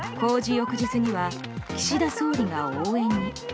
翌日には岸田総理が応援に。